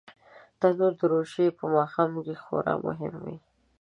تنور د روژې په ماښام کې خورا مهم وي